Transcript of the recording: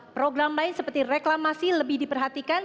program lain seperti reklamasi lebih diperhatikan